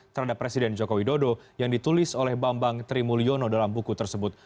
terhadap presiden joko widodo yang ditulis oleh bambang trimulyono dalam buku tersebut